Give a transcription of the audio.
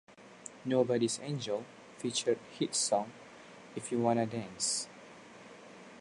"Nobody's Angel" featured the hit song, "If You Wanna Dance".